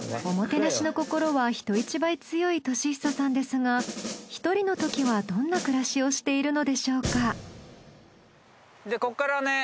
おもてなしの心は人一倍強い敏久さんですが１人のときはどんな暮らしをしているのでしょうか？